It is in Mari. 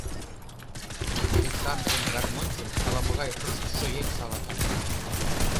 — Элександрын гармоньжым ала-могай руштшо еҥ шалатен.